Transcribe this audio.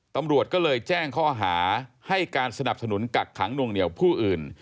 ตำรวจก็เลยแจ้งข้อหาให้การสนับสนุนกักขังนวงเหนียวผู้อื่น